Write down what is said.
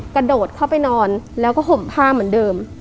กระโดดเข้าไปนอนแล้วก็ห่มผ้าเหมือนเดิม